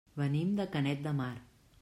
Venim de Canet de Mar.